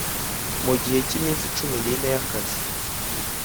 mu gihe cy iminsi cumi n ine y akazi